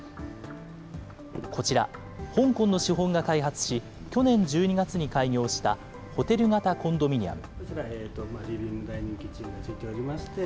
こちら、香港の資本が開発し、去年１２月に開業したホテル型コンドミニアム。